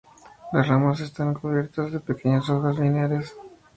Las ramas están cubiertas de pequeñas hojas lineares.